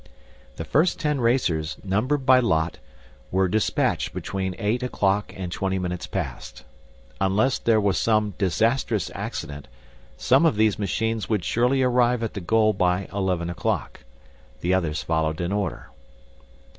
The first ten racers, numbered by lot, were dispatched between eight o'clock and twenty minutes past. Unless there was some disastrous accident, some of these machines would surely arrive at the goal by eleven o'clock. The others followed in order.